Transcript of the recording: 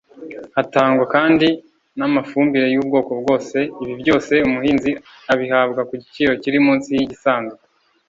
Hatangwa kandi n’amafumbire y’ubwoko bwose; ibi byose umuhinzi abihabwa ku giciro kiri munsi y’igisanzwe